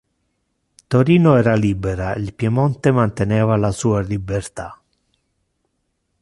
Torino era libera, il Piemonte manteneva la sua libertà.